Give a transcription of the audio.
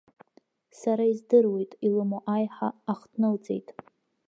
Сара издыруеит, илымоу аиҳа ахҭнылҵеит.